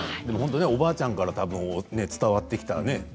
でも本当ねおばあちゃんから多分伝わってきたね